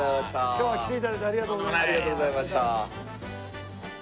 今日は来て頂いてありがとうございました。